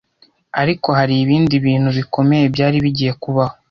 Ariko hari ibindi bintu bikomeye byari bigiye kubaho